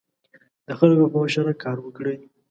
د خلکو په مشوره کار وکړئ.